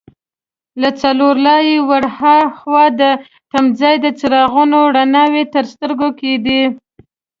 له څلور لارې ور هاخوا د تمځای د څراغونو رڼاوې تر سترګو کېدې.